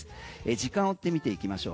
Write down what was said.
時間を追って見ていきましょう